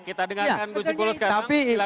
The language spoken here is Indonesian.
kita dengarkan guz siful sekarang